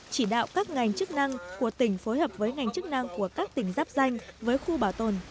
chỉ đạo các ngành chức năng của tỉnh phối hợp với ngành chức năng của các tỉnh giáp danh với khu bảo tồn